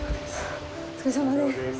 お疲れさまです。